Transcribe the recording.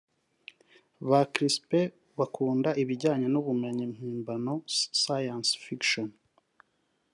ba Crispin bakunda ibijyanye n’ubumenyi mpimbano (science-fiction)